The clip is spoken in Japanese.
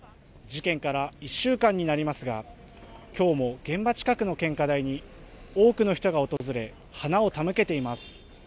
事件から１週間になりますがきょうも現場近くの献花台に多くの人が訪れ花を手向けています。